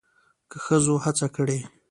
کله ښځو هڅه کړې